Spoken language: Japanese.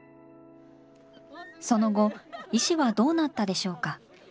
その後石はどうなったでしょうか。